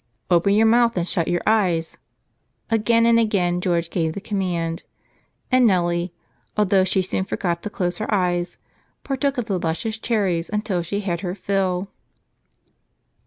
"Open your mouth and shut your eyes," again and again George gave the command, and Nellie (although she soon forgot to close her eyes) partook of the luscious cherries until she had her fill.